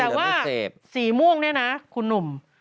แต่ว่าสีม่วงเนี่ยนะคุณหนุ่ม